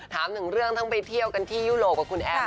ถามถึงเรื่องทั้งไปเที่ยวกันที่ยุโรปกับคุณแอม